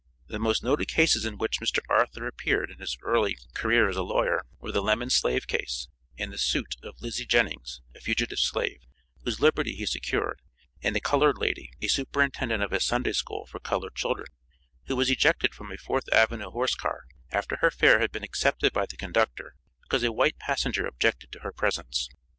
The most noted cases in which Mr. Arthur appeared in his early career as a lawyer, were the Lemmon slave case, and the suit of Lizzie Jennings, a fugitive slave, whose liberty he secured, and a colored lady, a superintendent of a Sunday School for colored children, who was ejected from a Fourth Avenue horse car, after her fare had been accepted by the conductor, because a white passenger objected to her presence.